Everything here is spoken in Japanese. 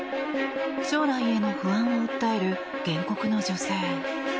将来への不安を訴える原告の女性。